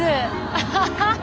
アハハハ！